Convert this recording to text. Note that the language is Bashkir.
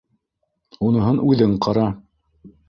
Уныһын үҙең ҡара.